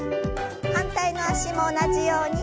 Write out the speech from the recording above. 反対の脚も同じように。